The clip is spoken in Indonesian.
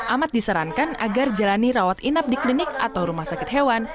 amat disarankan agar jalani rawat inap di klinik atau rumah sakit hewan